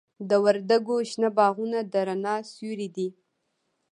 د وردګو شنه باغونه د رڼا سیوري دي.